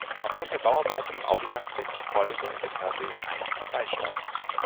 Aufgrund der Bauarbeiten im Audimax findet die Vorlesung in den Hörsälen eins und zwei statt.